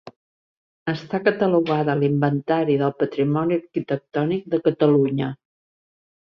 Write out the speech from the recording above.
Està catalogada a l'Inventari del Patrimoni Arquitectònic de Catalunya.